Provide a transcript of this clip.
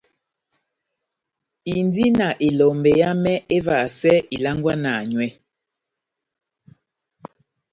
Indi na elombɛ yámɛ évahasɛ ilangwana nywɛ.